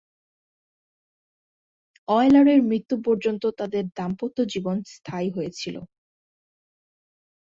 অয়লারের মৃত্যু পর্যন্ত তাদের দাম্পত্য জীবন স্থায়ী হয়েছিল।